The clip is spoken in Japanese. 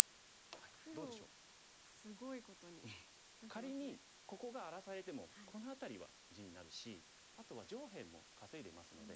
仮にここが荒らされてもこの辺りは地になるしあとは上辺も稼いでますので。